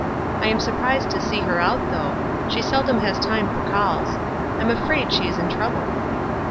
I am surprised to see her out, though. She seldom has time for calls. I'm afraid she is in trouble."